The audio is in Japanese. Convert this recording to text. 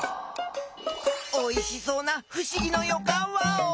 おいしそうなふしぎのよかんワオ！